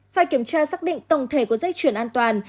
phải kiểm tra xác định tổng thể của dây chuyển an toàn